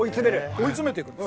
追い詰めていくんです。